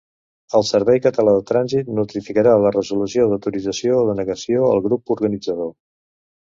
El Servei Català de Trànsit notificarà la resolució d'autorització o denegació al grup organitzador.